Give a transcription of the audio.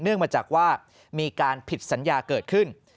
มาจากว่ามีการผิดสัญญาเกิดขึ้น